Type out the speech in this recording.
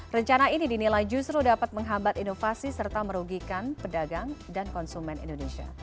rencana ini dinilai justru dapat menghambat inovasi serta merugikan pedagang dan konsumen indonesia